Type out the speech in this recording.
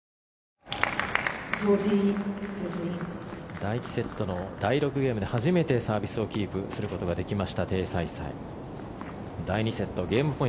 第１セットの第６ゲームで初めてサービスをキープすることができましたテイ・サイサイ。